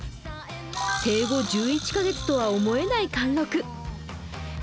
生後１１カ月とは思えない貫禄。